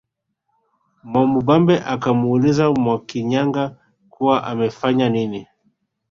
Mwamubambe akamuuliza Mwakinyaga kuwa umenifanya nini